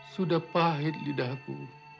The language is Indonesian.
sudah pahit lidahku